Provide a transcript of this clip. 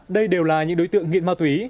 đây đều là những đối tượng nghiện ma túy